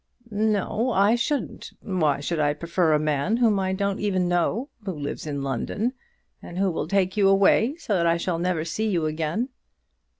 "No I shouldn't. Why should I prefer a man whom I don't even know, who lives in London, and who will take you away, so that I shall never see you again?"